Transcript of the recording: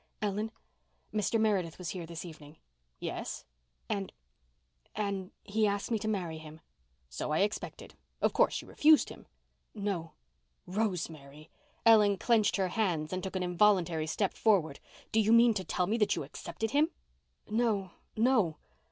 "Ellen, Mr. Meredith was here this evening." "Yes?" "And—and—he asked me to marry him." "So I expected. Of course, you refused him?" "No." "Rosemary." Ellen clenched her hands and took an involuntary step forward. "Do you mean to tell me that you accepted him?" "No—no."